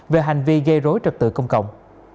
về hành vi gây rối trật tự công cộng